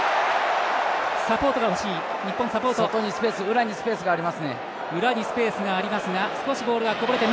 裏にスペースがありますね。